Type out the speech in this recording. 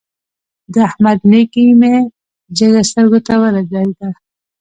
د احمد نېکي مې جګه سترګو ته ودرېده.